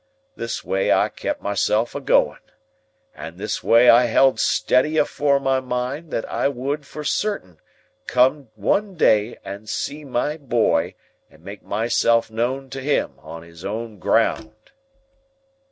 This way I kep myself a going. And this way I held steady afore my mind that I would for certain come one day and see my boy, and make myself known to him, on his own ground."